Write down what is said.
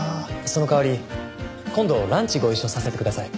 その代わり今度ランチご一緒させてください。